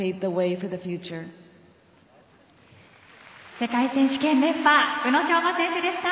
世界選手権連覇宇野昌磨選手でした。